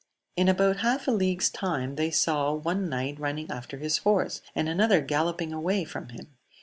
In about half a league's time they saw one knight running after his horse, and another gallopping away from him.